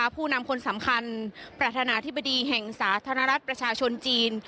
ผู้นำคนสำคัญประธานาธิบดีแห่งสาธารณรัฐประชาชนจีน